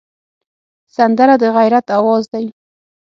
سندره د غیرت آواز دی